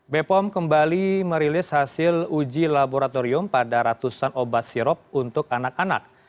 bepom kembali merilis hasil uji laboratorium pada ratusan obat sirop untuk anak anak